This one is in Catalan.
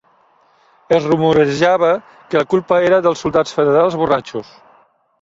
Es rumorejava que la culpa era dels soldats federals borratxos.